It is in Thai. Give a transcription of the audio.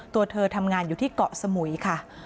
ตัวเธอทำงานอยู่ที่เกาะสมุยค่ะ